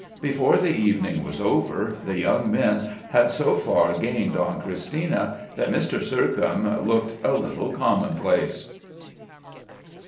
Before the evening was over, the young men had so far gained on Christina that Mr. Sercombe looked a little commonplace.